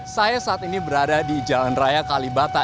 saya saat ini berada di jalan raya kalibata